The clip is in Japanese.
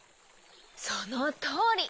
そのとおり。